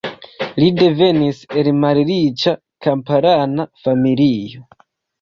Li devenis el malriĉa kamparana familio.